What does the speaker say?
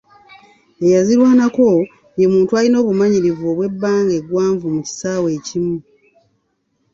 Eyazirwanako ye muntu alina obumanyirivu obw'ebbanga eggwanvu mu kisaawe ekimu.